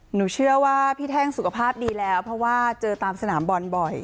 หนูเชื่อว่าพี่แท่งสุขภาพดีแล้วเพราะว่าเจอตามสนามบอลบ่อย